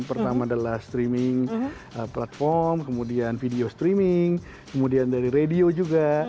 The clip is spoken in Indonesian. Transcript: pertama adalah streaming platform kemudian video streaming kemudian dari radio juga